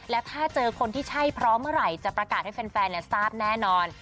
และถ้าเจอคนที่ใช่พร้อมเมื่อไหร่จะประกาศให้แฟนทราบแน่นอน